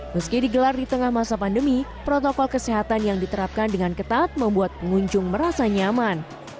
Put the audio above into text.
meski digelar di tengah masa pandemi protokol kesehatan yang diterapkan dengan ketat membuat pengunjung merasa nyaman